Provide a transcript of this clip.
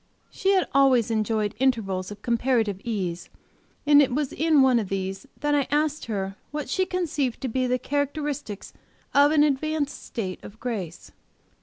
She had always enjoyed intervals of comparative ease, and it was in one of these that I asked her what she conceived to be the characteristics of an advanced state of grace.